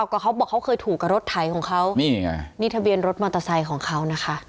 ก็เขาบอกเขาเคยถูกกับรถไถของเขานี่ไงนี่ทะเบียนรถมอเตอร์ไซค์ของเขานะคะ